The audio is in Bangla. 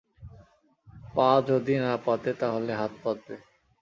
পা যদি না পাতে তাহলে হাত পাতবে।